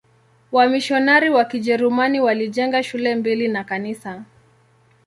Wamisionari wa Kijerumani walijenga shule mbili na kanisa.